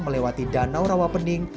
melewati danau rawapening